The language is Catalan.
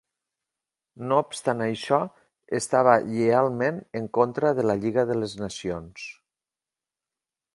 No obstant això, estava lleialment en contra de la Lliga de les Nacions.